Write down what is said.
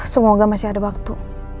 semoga masih ada waktu